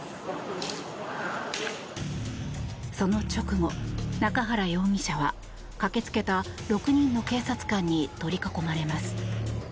その直後、中原容疑者は駆けつけた６人の警察官に取り囲まれます。